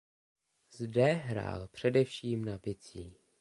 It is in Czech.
Zde hrál především na bicí.